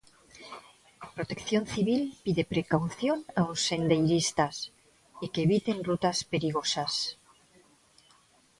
Protección Civil pide precaución aos sendeiristas e que eviten rutas perigosas.